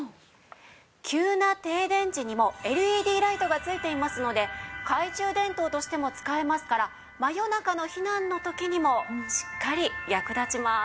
急な停電時にもＬＥＤライトが付いていますので懐中電灯としても使えますから真夜中の避難の時にもしっかり役立ちます。